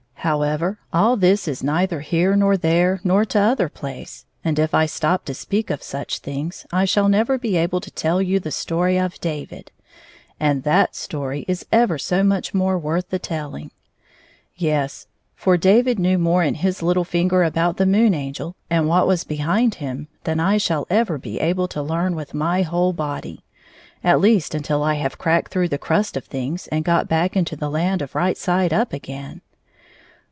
However, all this is neither here nor there, nor t'other place, and if I stop to speak of such things, I shall never be able to tell you the story of David, — and that story is ever so much more worth the telling. Yes ; for David knew more in his little finger about the Moon Angel and what was behind him than I shall ever be able to learn with my whole body — at least until I have cracked through the crust of things and got back into the Land of Kight side up again.